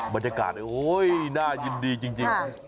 บรรยากาศโอ๊ยน่ายินดีจริง